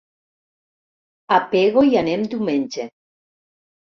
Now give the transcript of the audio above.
A Pego hi anem diumenge.